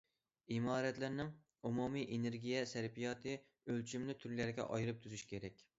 ئىمارەتلىرىنىڭ ئومۇمىي ئېنېرگىيە سەرپىياتى ئۆلچىمىنى تۈرلەرگە ئايرىپ تۈزۈش كېرەك.